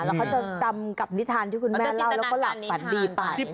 แล้วเขาจะจำกับนิทานที่คุณแม่เล่าแล้วก็หลับฝันดีไป